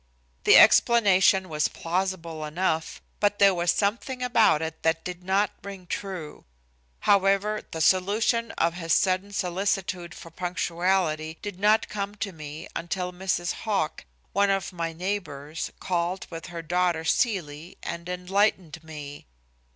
The explanation was plausible enough, but there was something about it that did not ring true. However, the solution of his sudden solicitude for punctuality did not come to me until Mrs. Hoch, one of my neighbors, called with her daughter, Celie, and enlightened me.